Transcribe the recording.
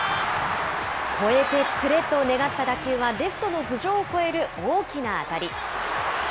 越えてくれと願った打球は、レフトの頭上を越える大きな当たり。